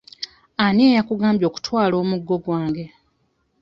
Ani eyakugambye okutwala omuggo gwange?